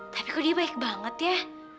tapi kok dia baik banget ya